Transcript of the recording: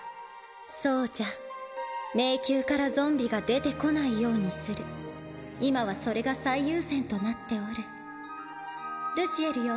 そうじゃ迷宮からゾンビが出てこないようにする今はそれが最優先となっておるルシエルよ